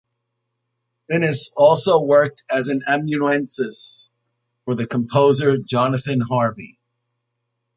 Finnis also worked as an amanuensis for the composer Jonathan Harvey.